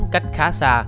cách khá xa